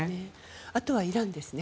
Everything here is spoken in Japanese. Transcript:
あとはイランですね。